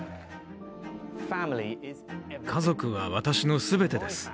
家族は私の全てです。